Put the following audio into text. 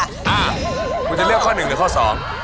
อ่าคุณจะเลือกข้อหนึ่งหรือข้อสอง